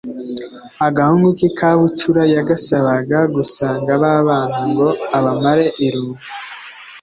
agahungu ke kabucura yagasabaga gusanga babana ngo abamare irungu